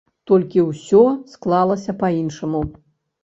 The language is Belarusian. Толькі ўсё склалася па-іншаму.